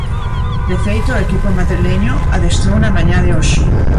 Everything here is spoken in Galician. De feito, o equipo madrileño adestrou na mañá de hoxe.